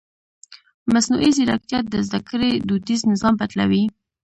مصنوعي ځیرکتیا د زده کړې دودیز نظام بدلوي.